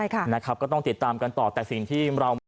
ก็ต้องติดตามกันต่อแต่สิ่งที่เรา